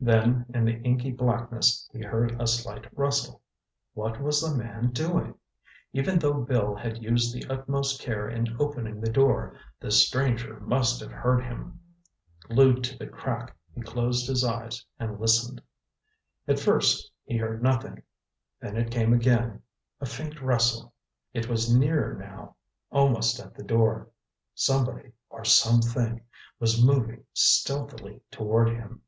Then in the inky blackness he heard a slight rustle. What was the man doing? Even though Bill had used the utmost care in opening the door, this stranger must have heard him. Glued to the crack, he closed his eyes and listened. At first he heard nothing—then it came again—a faint rustle. It was nearer now—almost at the door. Somebody or something was moving stealthily toward him.